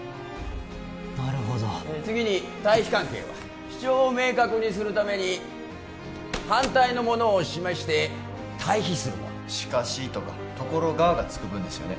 なるほど次に対比関係は主張を明確にするために反対のものを示して対比するもの「しかし」とか「ところが」がつく文ですよね